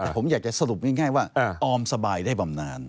ผมอยากจะสรุปง่ายว่าออมสบายได้บำนาน